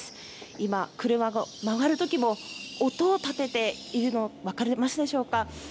今、車が曲がる時も音を立てているのが分かりますでしょうか。